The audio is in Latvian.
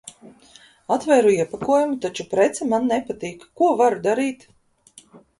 Atvēru iepakojumu, taču prece man nepatīk. Ko varu darīt?